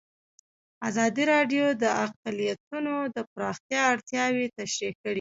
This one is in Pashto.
ازادي راډیو د اقلیتونه د پراختیا اړتیاوې تشریح کړي.